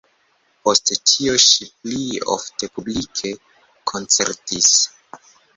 Post tio ŝi pli ofte publike koncertis.